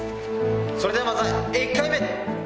・それではまずは１回目。